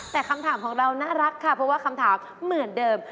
แต่คำถามของเราน่ารักค่ะเพราะว่าคำถามเหมือนเดิม